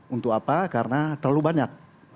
untuk apa karena terlalu banyak